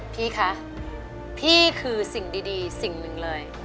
พี่คะพี่คือสิ่งดีสิ่งหนึ่งเลย